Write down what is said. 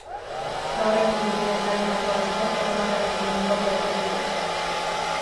Gaur egun ditugun lanetako asko erromatarrek eginiko kopiak dira.